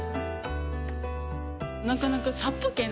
なかなか。